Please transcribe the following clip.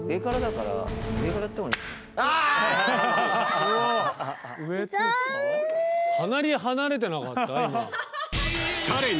かなり離れてなかった？